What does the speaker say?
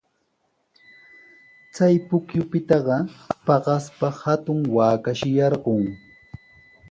Chay pukyupitaqa paqaspa hatun waakashi yarqun.